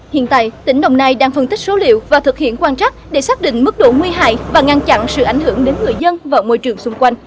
hiện tại tỉnh đồng nai đang phân tích số liệu và thực hiện quan trắc để xác định mức độ nguy hại và ngăn chặn sự ảnh hưởng đến người dân và môi trường xung quanh